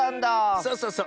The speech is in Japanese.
そうそうそう。